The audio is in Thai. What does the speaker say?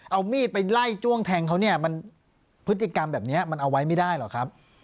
เอามีดไปไล่จ้วงแทงเขาเนี่ยมันพฤติกรรมแบบนี้มันเอาไว้ไม่ได้หรอกครับ